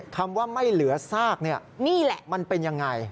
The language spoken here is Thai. คำว่าไม่เหลือซากมันเป็นอย่างไร